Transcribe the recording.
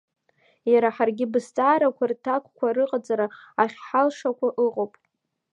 Иара ҳаргьы бызҵаарақәа рҭакқәа рыҟаҵара ахьҳалшақәо ыҟоуп.